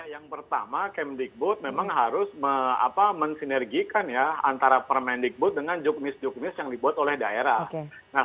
yang pertama kemdikbud memang harus mensinergikan ya antara permendikbud dengan juknis juknis yang dibuat oleh daerah